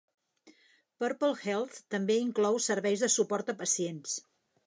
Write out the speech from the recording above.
Purple Health també inclou serveis de suport a pacients.